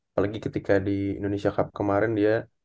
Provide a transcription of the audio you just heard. apalagi ketika di indonesia cup kemarin dia